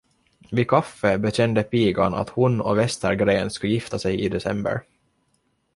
Vid kaffet bekände pigan att hon och Vestergren skulle gifta sig i december.